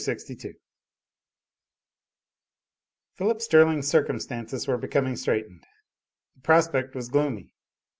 CHAPTER LXII. Philip Sterling's circumstances were becoming straightened. The prospect was gloomy.